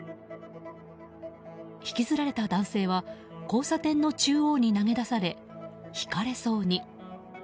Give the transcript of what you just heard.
引きずられた男性は交差点の中央に投げ出されひかれそうに。